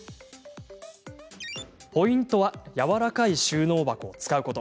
ポイントはやわらかい収納箱を使うこと。